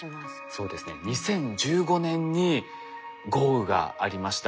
そうですね２０１５年に豪雨がありました。